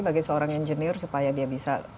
bagi seorang engineer supaya dia bisa